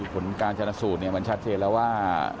ผลการชนะสูตรมันชัดเจนแล้วว่า